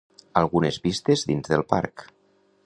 Algunes vistes dins del parc